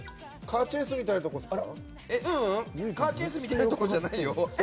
カーチェイスみたいなところですか？